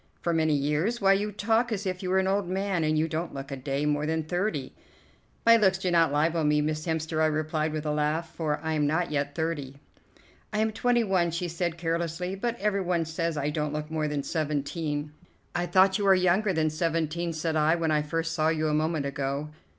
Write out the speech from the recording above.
"For many years? Why, you talk as if you were an old man, and you don't look a day more than thirty." "My looks do not libel me, Miss Hemster," I replied with a laugh, "for I am not yet thirty." "I am twenty one," she said carelessly, "but every one says I don't look more than seventeen." "I thought you were younger than seventeen," said I, "when I first saw you a moment ago."